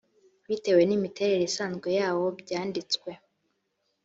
bitewe n imiterere isanzwe yawo byanditswe